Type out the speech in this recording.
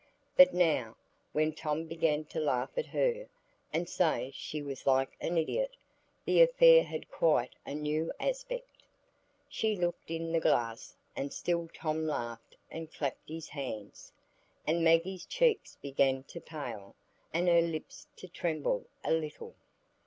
But now, when Tom began to laugh at her, and say she was like an idiot, the affair had quite a new aspect. She looked in the glass, and still Tom laughed and clapped his hands, and Maggie's cheeks began to pale, and her lips to tremble a little.